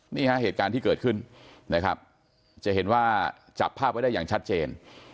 เหตุการณ์ที่เกิดขึ้นนะครับจะเห็นว่าจับภาพไว้ได้อย่างชัดเจน